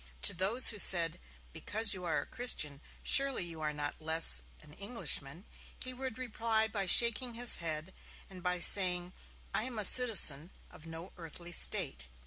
To those who said: 'Because you are a Christian, surely you are not less an Englishman?' he would reply by shaking his head, and by saying: 'I am a citizen of no earthly State'.